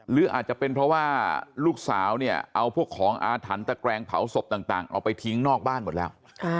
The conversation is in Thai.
หรืออาจจะเป็นเพราะว่าลูกสาวเนี่ยเอาพวกของอาถรรพ์ตะแกรงเผาศพต่างเอาไปทิ้งนอกบ้านหมดแล้ว